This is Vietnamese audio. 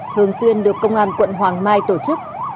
thường xuyên được công an quận hoàng mai tổ chức